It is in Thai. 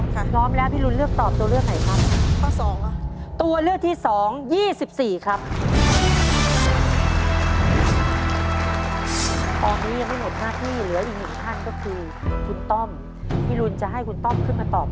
พร้อมแล้วผู้เราเลือกตอบอะไรครับตัวเลือกที่๒๒๔ครับ